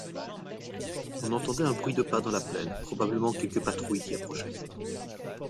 On entendait un bruit de pas dans la plaine; probablement quelque patrouille qui approchait.